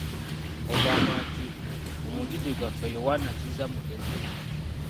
Ogamba nti: Mu mugigi gwaffe Yoanna Kizza mugezi.